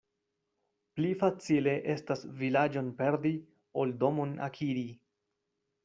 Pli facile estas vilaĝon perdi, ol domon akiri.